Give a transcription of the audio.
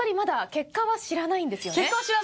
結果は知らないんですよ。